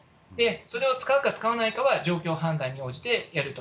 それを使うか使わないかは、状況判断に応じてやると。